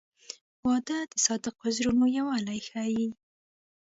• واده د صادقو زړونو یووالی ښیي.